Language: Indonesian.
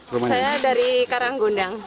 saya dari karanggundang